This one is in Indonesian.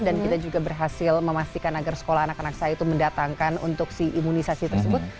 dan kita juga berhasil memastikan agar sekolah anak anak saya itu mendatangkan untuk si imunisasi tersebut